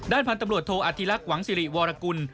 พันธุ์ตำรวจโทอธิลักษ์หวังสิริวรกุล